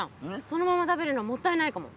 そのまま食べるのもったいないかも。